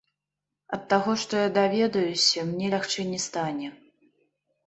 Ад таго, што я даведаюся, мне лягчэй не стане.